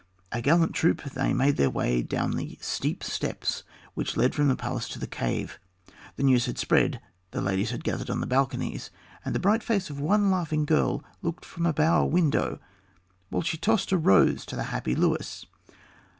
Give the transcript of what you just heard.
A gallant troop, they made their way down the steep steps which led from the palace to the cave. The news had spread; the ladies had gathered on the balconies, and the bright face of one laughing girl looked from a bower window, while she tossed a rose to the happy Luis.